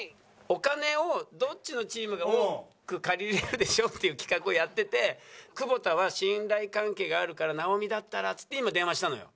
お金をどっちのチームが多く借りれるでしょうっていう企画をやってて久保田は信頼関係があるから直美だったらっつって今電話したのよ。